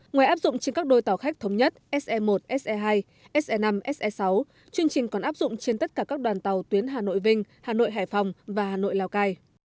ngoài áp dụng trên các đôi tàu khách thống nhất se một se hai se năm se sáu chương trình còn áp dụng trên tất cả các đoàn tàu tuyến hà nội vinh hà nội hải phòng và hà nội lào cai